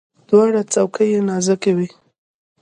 دواړه څوکي یې نازکې وي.